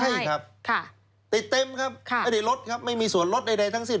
ไม่ใช่ครับติดเต็มครับไม่มีส่วนลดใดทั้งสิ่ง